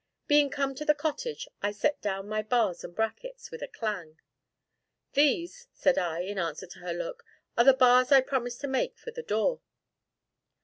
Being come to the cottage, I set down my bars and brackets, with a clang. "These," said I, in answer to her look, "are the bars I promised to make for the door."